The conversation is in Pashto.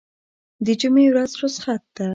دجمعې ورځ رخصت ده